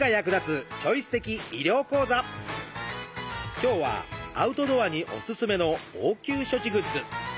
今日はアウトドアにおすすめの応急処置グッズ。